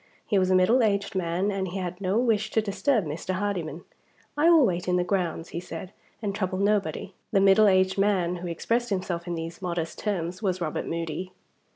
He was a middle aged man, and he had no wish to disturb Mr. Hardyman. "I will wait in the grounds," he said, "and trouble nobody." The middle aged man, who expressed himself in these modest terms, was Robert Moody.